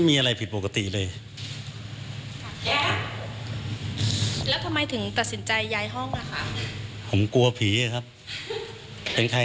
เวลาเปิดประตูมาเจอกัน